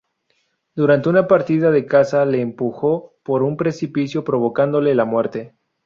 Durante una partida de caza le empujó por un precipicio provocándole la muerte.